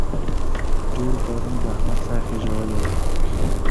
ډېرو کارونو د احمد ساه خېژولې ده.